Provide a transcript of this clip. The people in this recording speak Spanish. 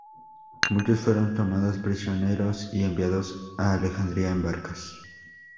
Muchos fueron tomados prisioneros y enviados a Alejandría en barcas.